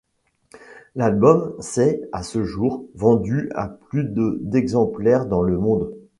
L'album s'est, à ce jour, vendu à plus de d'exemplaires dans le monde.